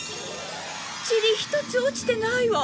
ちり一つ落ちてないわ。